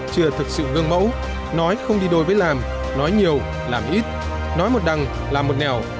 chưa thực sự gương mẫu nói không đi đôi với làm nói nhiều làm ít nói một đằng làm một nẻo